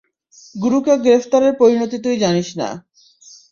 গুরুকে গ্রেফতারের পরিণতি তুই জানিস না।